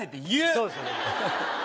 そうですよね